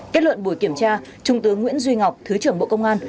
kết luận buổi kiểm tra trung tướng nguyễn duy ngọc thứ trưởng bộ công an